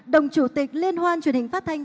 đồng chủ tịch liên hoan truyền hình phát thanh